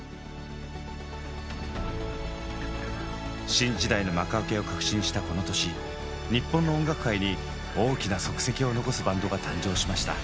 新時代の幕開けを確信したこの年日本の音楽界に大きな足跡を残すバンドが誕生しました。